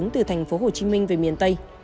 nguyễn thanh thanh phố hồ chí minh miền tây